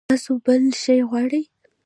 تاسو بل شی غواړئ؟